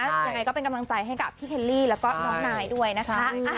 ยังไงก็เป็นกำลังใจให้กับพี่เคลลี่แล้วก็น้องนายด้วยนะคะ